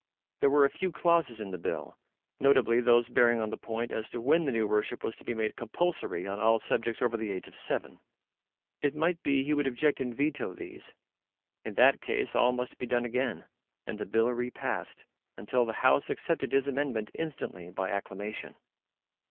There were a few clauses in the Bill notably those bearing on the point as to when the new worship was to be made compulsory on all subjects over the age of seven it might be he would object and veto these. In that case all must be done again, and the Bill re passed, unless the House accepted his amendment instantly by acclamation.